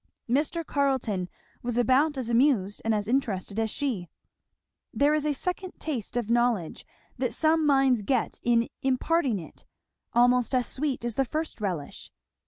Mr. Carleton was about as amused and as interested as she. There is a second taste of knowledge that some minds get in imparting it, almost as sweet as the first relish.